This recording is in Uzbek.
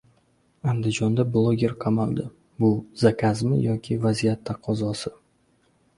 Andijonda bloger qamaldi. Bu «zakaz»mi yoki vaziyat taqozosi?